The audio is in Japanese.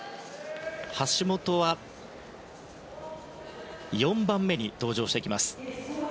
橋本は４番目に登場します。